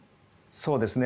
そうですね。